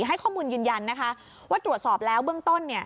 ให้ข้อมูลยืนยันนะคะว่าตรวจสอบแล้วเบื้องต้น